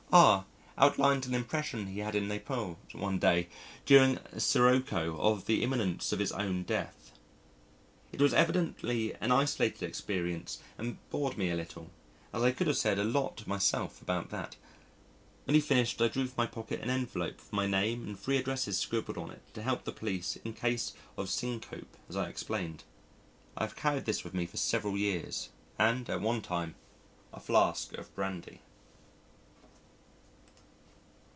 R outlined an impression he had in Naples one day during a sirocco of the imminence of his own death. It was evidently an isolated experience and bored me a little as I could have said a lot myself about that. When he finished I drew from my pocket an envelope with my name and three addresses scribbled on it to help the police in case of syncope as I explained. I have carried this with me for several years and at one time a flask of brandy.